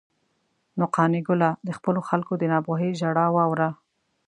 نو قانع ګله، د خپلو خلکو د ناپوهۍ ژړا واوره.